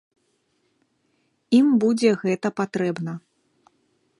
Ім будзе гэта патрэбна.